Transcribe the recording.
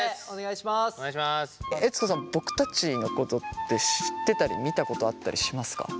悦子さん僕たちのことって知ってたり見たことあったりしますか？